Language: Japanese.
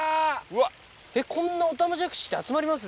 えっこんなオタマジャクシって集まります？